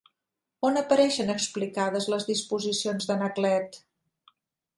On apareixen explicades les disposicions d'Anaclet?